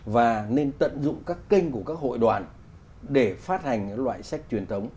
và nên tận dụng các kênh của các hội đoàn để phát hành những loại sách truyền thống